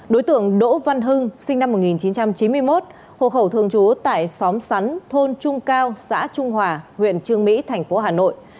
đối tượng đỗ văn hưng sinh năm một nghìn chín trăm chín mươi một hộ khẩu thường trú tại xóm sắn thôn trung cao xã trung hòa huyện trương mỹ thành phố hà nội